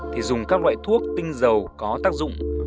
thì dùng các loại thuốc tinh dầu có tác dụng